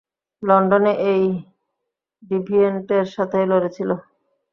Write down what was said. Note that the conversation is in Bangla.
লন্ডনে এই ডিভিয়েন্টের সাথেই লড়েছিলে?